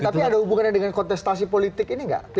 tapi ada hubungannya dengan kontestasi politik ini nggak